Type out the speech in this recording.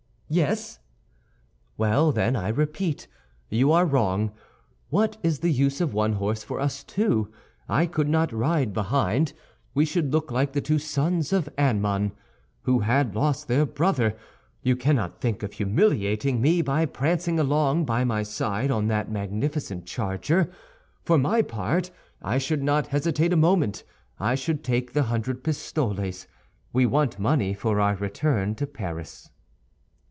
"Yes." "Well, then, I repeat, you are wrong. What is the use of one horse for us two? I could not ride behind. We should look like the two sons of Aymon, who had lost their brother. You cannot think of humiliating me by prancing along by my side on that magnificent charger. For my part, I should not hesitate a moment; I should take the hundred pistoles. We want money for our return to Paris."